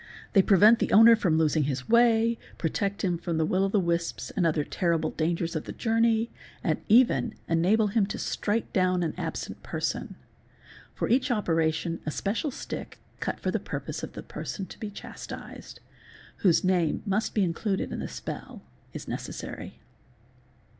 'They prevent the owner from losing his way, protect him from the Will o' the wisps and other terrible dangers of the journey, and even enable him to strike down an absent person "1 72, For each operation a special stick cut for the purpose of the person to be chastised, whose name must be included in the spell, is necessary.